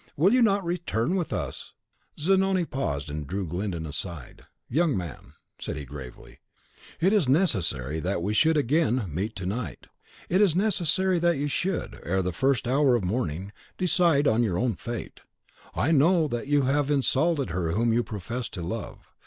"Will you not return with us?" Zanoni paused, and drew Glyndon aside. "Young man," said he, gravely, "it is necessary that we should again meet to night. It is necessary that you should, ere the first hour of morning, decide on your own fate. I know that you have insulted her whom you profess to love.